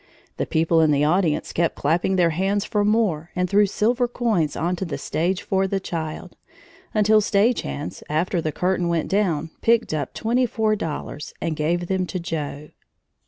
The people in the audience kept clapping their hands for more and threw silver coins on to the stage for the child, until stage hands, after the curtain went down, picked up twenty four dollars and gave them to Joe.